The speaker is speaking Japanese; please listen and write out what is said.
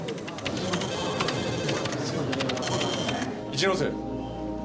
一ノ瀬。